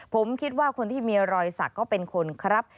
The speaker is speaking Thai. ผมคิดว่าคนที่มีรอยสักก็เป็นคนครับ